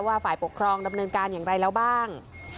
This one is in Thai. ฝ่ายปกครองดำเนินการอย่างไรแล้วบ้าง